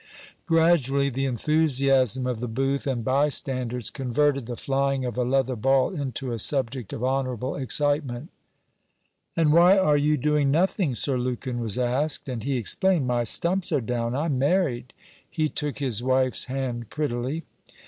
Gradually the enthusiasm of the booth and bystanders converted the flying of a leather ball into a subject of honourable excitement. 'And why are you doing nothing?' Sir Lukin was asked; and he explained: 'My stumps are down: I'm married.' He took his wife's hand prettily.